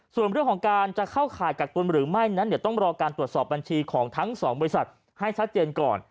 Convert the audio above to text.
ส่วนเรื่องของการจะเข้าข่ายกักตุ้นหรือไม่นั้นเดี๋ยวต้องรอการตรวจสอบบัญชีของทั้งสองบริษัทให้ชัดเจนก่อน